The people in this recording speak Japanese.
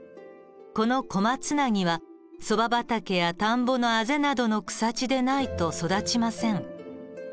このコマツナギはそば畑や田んぼのあぜなどの草地でないと育ちません。